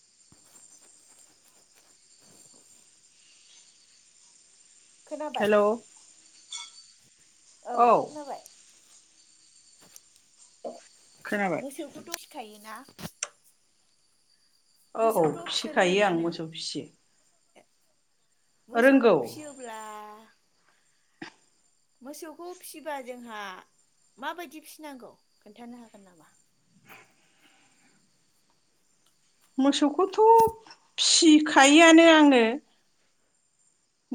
[inaudible] खोनाबाय हेलौ औ खोनाबाय खोनाबाय मोसौखौथ' थायोना औ औ फिनो फिसिखायो रोङोना आं नों मोसौ फियो मोसौ फिसियोब्ला मोसौखौ फिसिबा जोंहा माबायदि फिसिनांगौ खोन्थानो हागोन नामा? मोसौखौथ' फिखायोआनो आङो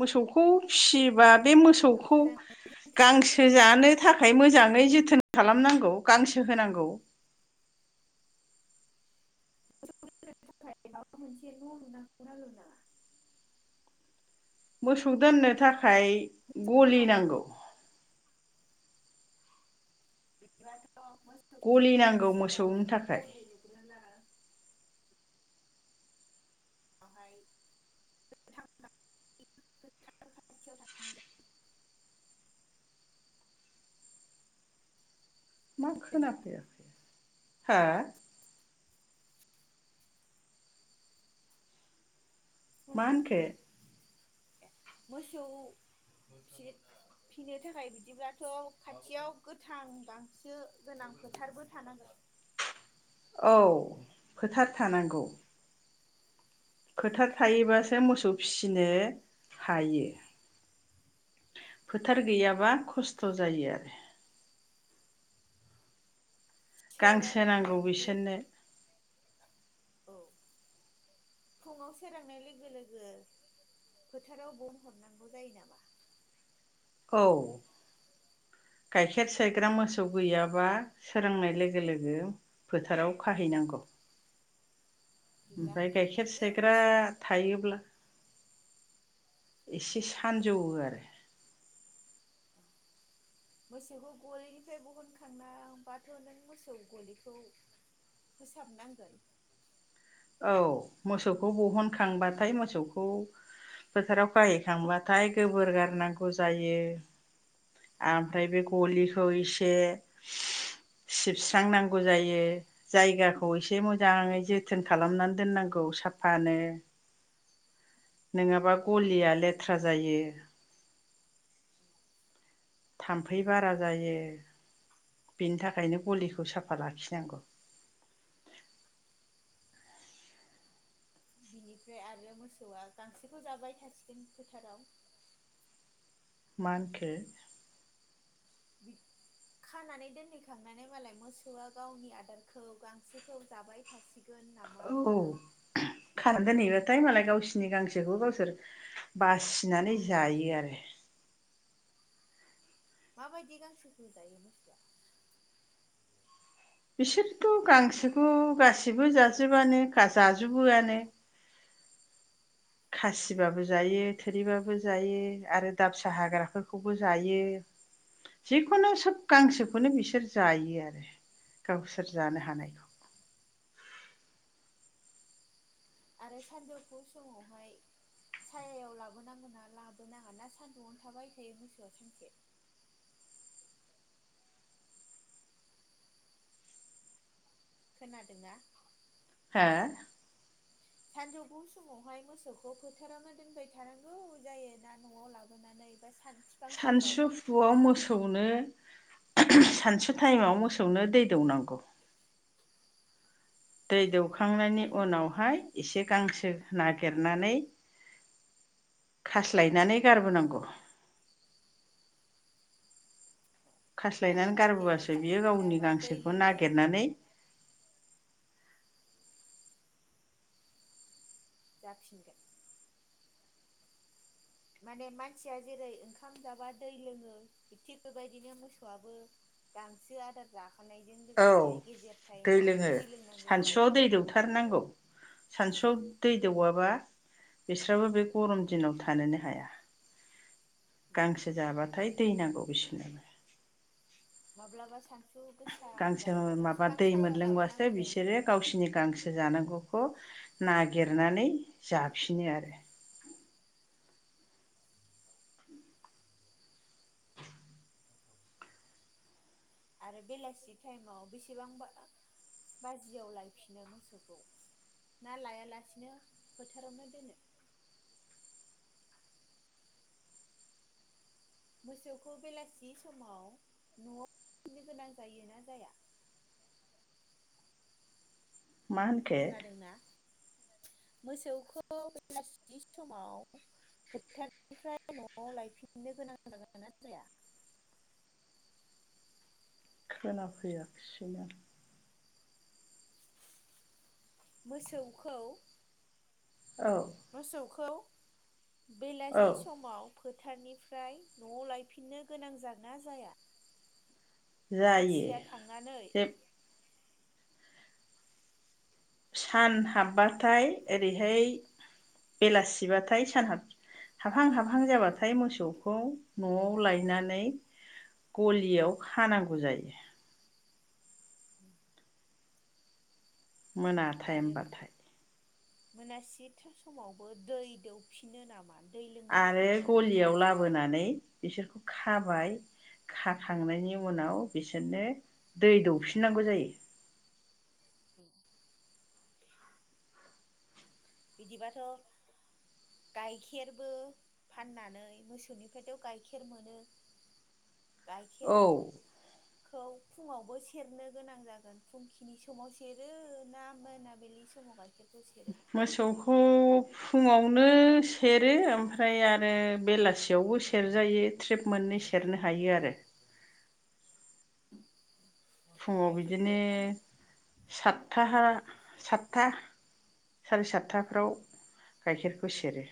मोसौखौ फिसि बा मोसौखौ जोथोन लायो गांसो जानो थाखाय मोजाङै जोथोन खालामनांगौ गांसो होनांगौ [unintelligible] मोसौ दोननो था खाय गलि नांगौ बिदि [unintelligible] मोसौनि गलि थाखाय नांगौ मोसौनि सिगाङावनो थाखाय गलि लुग्रोनो [unintelligible] मा खोनाफैया हा? मा होनखो? मोसौ फिसि फिनो थाखाय बिदिब्लाथ' खाथियाव गोथां गांसो गोनां फोथारबो थानांगोन औ फोथार थानांगौ फोथार थायोबासो मोसौ फिसिनो हायो फोथार गैयाबा खस्थ' जायो आरो गांसो नांगौ सोरांनायनि बिसोरनो औ फुङाव सोरांनाय लोगो-लोगो फोथाराव बन हरनांगौ जायो नामा? औ गाइखेर सायग्रा मोसौ गैयाबा सोरांनाय लोगो-लोगो फोथाराव खाहैनांगौ। बिदिब्ला ओमफ्राय गाइखेर बे सेग्रा मोसौ थायोब्ला एसे सानजौवो आरो मोसौखौ गलिनिफ्राय बहनखांना बाथ' नों मोसौ गलिखौ फोसाबनांगोन औ मोसौखौ बहनखांबाथाय मोसौखौ फोथाराव खाहैखांबाथाय गोबोर गारनांगौ जायो ओमफ्राय बे गलिखौ एसे सिबस्रांनांगौ जायो जायगाखौ एसे मोजाङै जोथोन खालामनानै दोननांगौ साफानो नङाबा गलिया लेथ्रा जायो थाम्फै बारा जायो बेनि थाखायनो गलिखौ साफा लाखिनांगौ। बिनिफ्राय आरो मोसौआ गांसोखौ जाबाय थासिगोन फोथाराव मा होनखो खानानै दोनहैखांनानै मालाय मोसौआ गावनि आदारखौ गांसोखौ जाबाय थासिगोन नामा औ होनदां खारगोन इयो हाथाय मालाय गावसोरनि गांसोखौबो गावसोर बासिनानै जायो आरो माबायदि गांसोखौ जायो मोसौआ बिसोरथ' गांसोखौ गासिबो जाजोबानो जाजुबोआनो खासिबाबो जायो थोरिबाबो जायो आरो दाबसा हाग्राफोरखौबो जायो जिखुनु सोब गांसोखौनो बिसोर जायो आरो गावसोर जानो हानायखौ आरो सानजौफु समावहाय सायायाव लाबोनांगौ ना लाबोनाङा ना सानदुआवनो थाबाय थायो मोसौआ सानसे खोनादोंना ओ सानजौफु समावहाय मोसौखौ फोथारामानो दोनबाय थानांगौ जायो ना न'आव लाबोनानै बा सान बिफां सायाव सानसुफुआव खा मोसौनो सानसु टाइमाव मोसौनो दै दौनांगौ। दै अ दौखांनायनि उनावहाय एसे गांसो नागिरनानै खास्लायनानै गारबोनांगौ। माने खास्लायनानै जे गारबोबासो मानसिया बियो ओंखाम गावनि जायाबा दै गांसोखौ लोङो नागिरनानै [unintelligible] माने मानसिया जेरै ओंखाम जाबा दै लोङो थिग बेबायदिनो मोसौआबो गांसो आदार जाख खांनायजों औ लोगोसे गेजेर टाइमाव दै लोंनांगौ सानसुआव जायो। दै दौथारनांगौ सानसुआव दै दौवाबा बिस्राबो बे गरम दिनाव थानोनो हाया। गांसो जाबाथाय दै नांगौ बिसोरनोबो। माब्लाबा सान गांसो माबा दै सायाव मोनलोंबासो लाबोनांगौ जायो। बिसोरो गावसिरनि गांसो जानांगौखौ नागिरनानै जाफिनो आरो। आरो बेलासि टाइमाव बेसेबांबा बाजियाव लायफिनो मोसौखौ ना लायालासिनो फोथारावनो दोनो? मोसौखौ बेलासि समाव नआव फनो गोनां जायोना जाया? मा होनखो? खोनादोंना? मोसौखौ बेलासि समाव फोथारनिफ्राय नआव लायफिननो गोनां जागोना जाया? खोनाफैयाखिसैनो। मोसौखौ औ मोसौखौ बेलासि औ समाव फोथारनिफ्राय नआव लायफिननो गोनां जागोनना जाया? जायो मानसिया थांनानै जे सान हाबबाथाय ओरैहाय बेलासिबाथाय सान हाब हाबहां हाबहां जाबाथाय मोसौखौ नआव लायनानै गलियाव खानांगौ जायो। [unintelligible] मोना टाइम आरो बाथाय। मोनासि थिसमावबो दै दौफिनो नामा? दै लोंनो आरो होफिनबावो नामा गलियाव मोसौनो? लाबोनानै बिसोरखौ खा खाबाय खाखांनायनि उनाव बिसोरनो दै दौफिननांगौ जायो। [unintelligible] बिदिबाथ' गाइखेरबो फाननानै मोसौनिफ्रायथ' गाइखेर मोनो। गायखेर औ खौ फुङावबो सेरनो गोनां जागोन फुंखिनि समाव सेरो ना मोनाबिलि समाव गाइखेरखौ सेरो? मोसौखौ फुङावनो सेरो ओमफ्राय आरो बेलासियावबो सेरजायो ट्रिब मोननै सेरनो थायो आरो [unintelligible] फुङाव बिदिनो गाइखेरखौ फान सातथा सातथा साराय सातथाफ्राव गाइखेरखौ सेरो।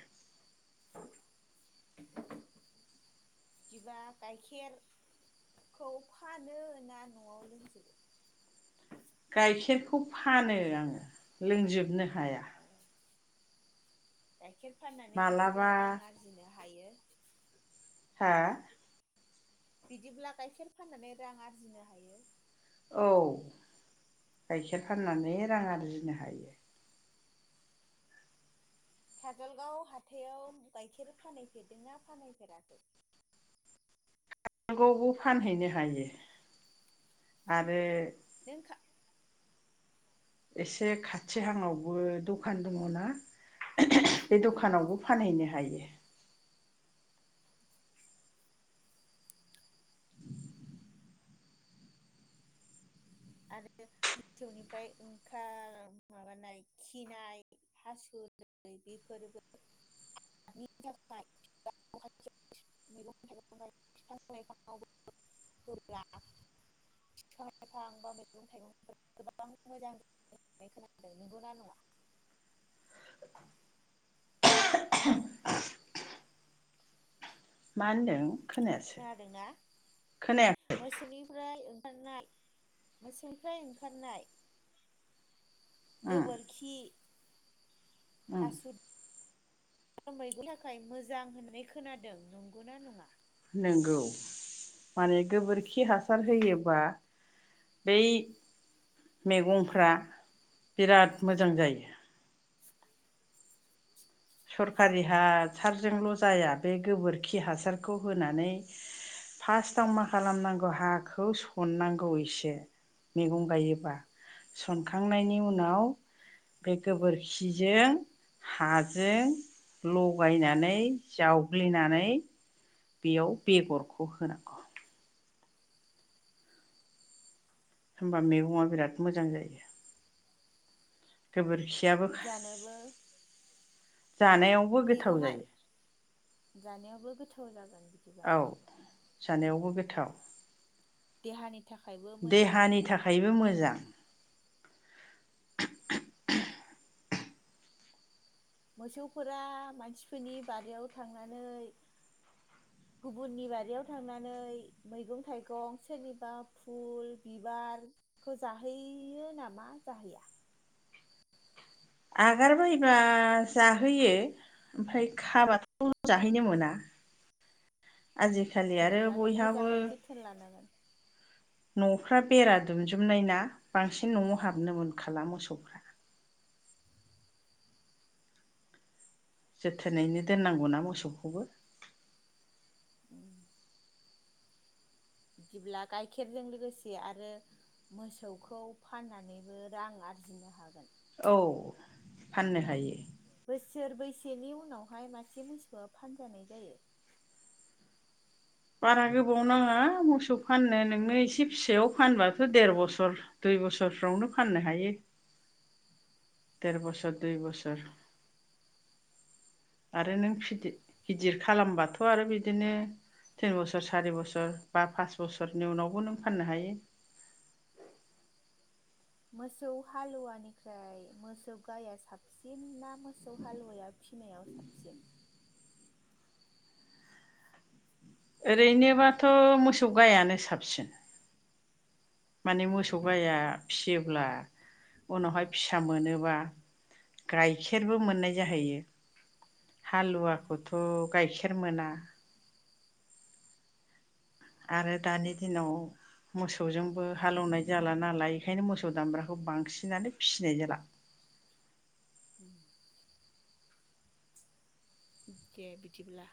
बिबा गाइखेरखौ फानो ना न'आव लोंजोबो गाइखेरखौ फानो आङो लोंजोबनो हाया गायखेर फाननानै मालाबा बिदिब्ला रां आरजिनो हायो हा बिदिब्ला गाइखेर फाननानै रां आरजिनो हायो औ गाइखेर फाननानै रां आरजिनो हायो काजलगाव हाथायाव गाइखेर फानफेरदोंना फानहैफेराखै नांगौबो फानहैनो हायो आरो नोंखा एसे खाथिहांङावबो दखान दङ ना बे [unintelligible] दखानावबो फानहैनो हायो आरो मोसौनिफ्राय ओंखार माबानाय खिनाय हासु बेफोरबो [unintelligible] मा होनदों खोनायासै खोनादोंना खोनाया मोसौनि फ्राय ओंखारनाय मोसौनिफ्राय ओंखारनाय उम गोबोरखि उम हासु आरो मैनि थाखाय मोजां होननाय खोनादों नंगौना नङा नंगौ माने गोबोरखि हासार होयोब्लाा बै मैगंफ्रा बिराद मोजां जायो सरखारि हासारजोंल' जाया बे गोबोरखि हासारखौ होनानै फार्स्टआव मा खालामनांगौ हाखौ सननांगौ एसे मैगं गायोबा सनखांनायनि उनाव बे गोबोरखिजों हा जों लगायनानै जावग्लिनानै बेयाव बेगरखौ होनांगौ होनबा मैगङा बिराद मोजां जायो गोबोरखि खियाबो जानोबो जानायावबो गोथाव मैगङा जायो जानायावबो गोथाव जागोन बिदिबा औ जानायावबो बे गोथाव देहानि थाखायबो मोजां देहानि जागोन थाखायबो मोजां मोसौफोरा मानसिफोरनि बारियाव थांनानै गुबुननि बारियाव थांनानै मैगं थाइगं सोरनिबा फुल बिबारखौ जाहोैयो नामा जाहैया आगारबायबा जाहोयो ओमफ्राय खाबाथ' जाहैनो मोना आजिखालि आरो बिदिब्लाथ' बयहाबो मोजाङै जोथोन लानांगोन न'फ्रा बेरा दुमजुमनाय ना बांसिन न'आव हाबनो मोनखाला मोसौफ्रा जोथोनैनो दोननांगौना मोसौखौबो उम बिदिब्ला गाइखेरजों लोगोसे आरो मोसौखौ फाननानैबो रां आरजिनो हागोन औ फाननो हायो बोसोर बैसेनि उनावहाय मासे मोसौआ फानजानाय जायो बारा गोबाव नाङा मोसौ फाननो नोंनो एसे फिसायाव फानबाथ' देर बोसोर दुइ बोसोरफ्रावनो फाननो हायो। देर बोसोर दुइ बोसोर आरो नों फिदि गिदिर खालामबाथ' आरो बिदिनो तिन बोसोर सारि बोसोर बा पास बोसोरनि उनावबो नों फाननो हायो मोसौ हालुवानिफ्राय मोसौ गाया साबसिन ना मोसौ हालुवाया फिनायाव साबसिन ओरैनोबाथ' मोसौ गायानो साबसिन। माने अ मोसौ गाया फियो अब्ला उनावहाय फिसा मोनोबा गाइखेरबो मोननाय जाहैयो। उम हालुवाखौथ' गायखे खेर मोना आरो दानि दिनाव मोसौजोंबो हालेवनाय जाला नालाय बेखायनो मोसौ दामब्राखौ बांसिनानो फिसिनाय जाला। [unintelligible] दे बिदिब्ला